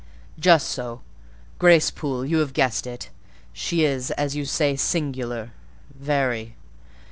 "Just so. Grace Poole—you have guessed it. She is, as you say, singular—very.